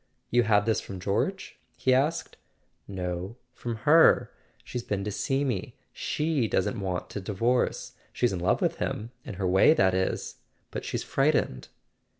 "You had this from George?" he asked. "No; from her. She's been to see me. She doesn't want to divorce. She's in love with him; in her way, that is; but she's frightened."